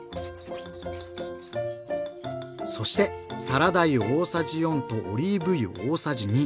そしてサラダ油大さじ４とオリーブ油大さじ２。